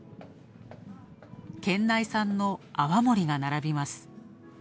県内産の泡盛が並びます。